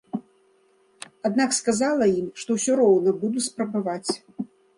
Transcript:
Аднак сказала ім, што ўсё роўна буду спрабаваць.